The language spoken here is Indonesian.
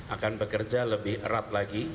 akan bekerja lebih erat lagi